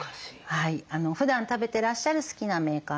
ふだん食べてらっしゃる好きなメーカーのもの。